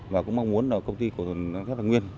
và cũng mong muốn công ty của mình sẽ là nguyên